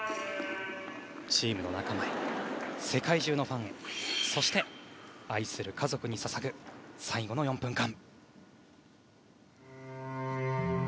チームの仲間へ世界中のファンへそして、愛する家族に捧ぐ最後の４分間。